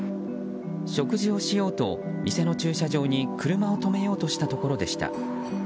食事をしようと店の駐車場に車を止めようとしたところでした。